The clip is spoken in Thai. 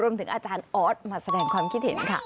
รวมถึงอัจจานออธมาแสดงความคิดเห็นค่ะ